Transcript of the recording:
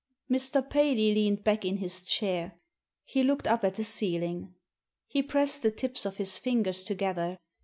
'* Mr. Paley leaned back in his chair. He looked up at the ceiling. He pressed the tips of his fingers together.